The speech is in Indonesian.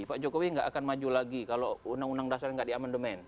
pak jokowi nggak akan maju lagi kalau undang undang dasar nggak diamandemen